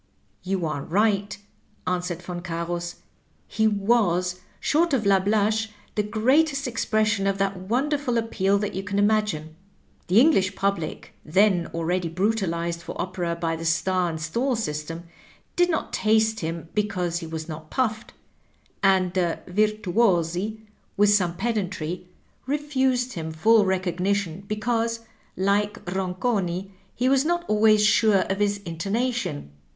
"You are right," answered Yon Carus; "he was, short of Lablache, the greatest expression of that won derful appeal that you can imagine. The English pub lic, then already brutalized for opera by the star and stall system, did not taste him because he was not puffed, and the mrtuod^ with some pedantry, refused him full Digitized by VjOOQIC THE ACTION TO THE WORD. 121 recognition because, like Konconi, he was not always sure of his intonation.